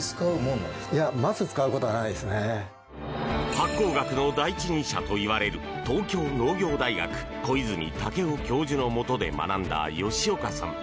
発酵学の第一人者と言われる東京農業大学小泉武夫教授のもとで学んだ吉岡さん。